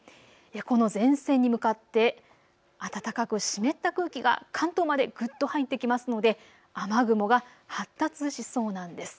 この前線に向かって暖かく湿った空気が関東までぐっと入ってきますので雨雲が発達しそうなんです。